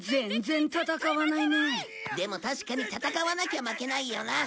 でも確かに戦わなきゃ負けないよな。